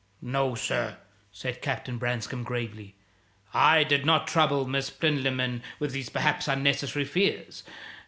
"No, sir," said Captain Branscome, gravely; "I did not trouble Miss Plinlimmon with these perhaps unnecessary fears.